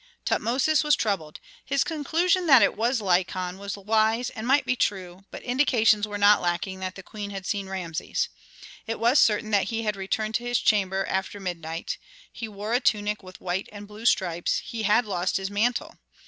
Tutmosis was troubled. His conclusion that it was Lykon was wise and might be true, but indications were not lacking that the queen had seen Rameses. It was certain that he had returned to his chamber after midnight; he wore a tunic with white and blue stripes, he had lost his mantle.